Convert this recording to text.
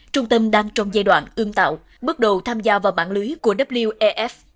trung tâm đang trong giai đoạn ương tạo bước đầu tham gia vào bản lưới của wef